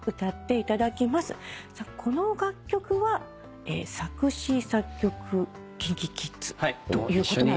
この楽曲は作詞・作曲ＫｉｎＫｉＫｉｄｓということなんですよね？